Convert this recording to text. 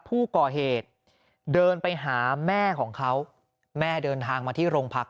ผู้ก่อเหตุเดินไปหาแม่ของเขาแม่เดินทางมาที่โรงพัก